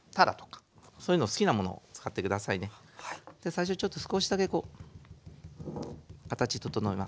最初ちょっと少しだけこう形整えますね。